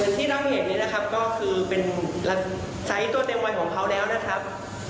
ที่เราเห็นนี่นะครับก็คือเป็นไซส์ตัวเต็มวัยของเขาแล้วนะครับ